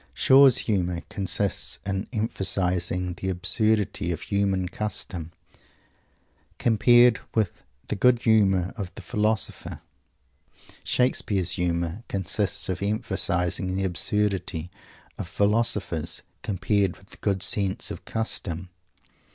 Shaw's humour consists in emphasizing the absurdity of human Custom, compared with the good sense of the philosopher. Shakespeare's humour consists in emphasizing the absurdity of philosophers, compared with the good sense of Custom.